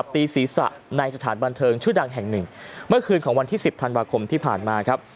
ตีศีรษะในสถานบันเทิงชื่อดังแห่งหนึ่งเมื่อคืนของวันที่๑๐ธันวาคมที่ผ่านมาครับ